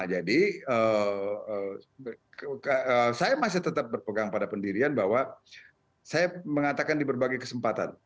jadi saya masih tetap berpegang pada pendirian bahwa saya mengatakan di berbagai kesempatan